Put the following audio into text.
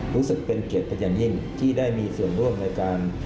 รู้สึกเป็นเกียรติเป็นอย่างยิ่งที่ได้มีส่วนร่วมในการ